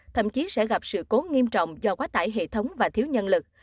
thậm chí sẽ gặp sự cố nghiêm trọng do quá tải hệ thống và thiếu nhân lực